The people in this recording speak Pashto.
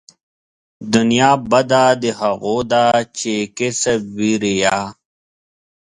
دنيا بده د هغو ده چې يې کسب وي ريا